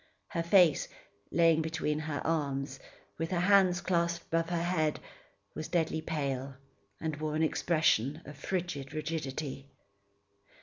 Her face, lying between her arms, with her hands clasped above her head, was deadly pale, and wore an expression of frigid rigidity.